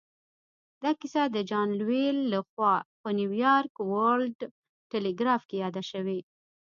دا کیسه د جان لویل لهخوا په نیویارک ورلډ ټیليګراف کې یاده شوې